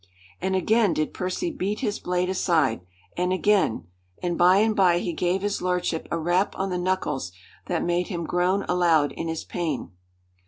And again did Percy beat his blade aside, and again; and by and by he gave his lordship a rap on the knuckles that made him groan aloud in his pain.